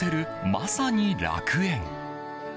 まさに楽園。